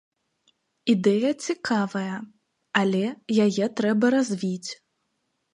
Ідэя цікавая, але яе трэба развіць.